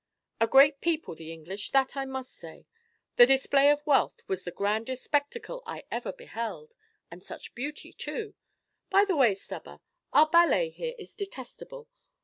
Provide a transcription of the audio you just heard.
A great people the English, that I must say! The display of wealth was the grandest spectacle I ever beheld; and such beauty too! By the way, Stubber, our ballet here is detestable.